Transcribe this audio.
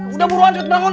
udah buruan cepet bangun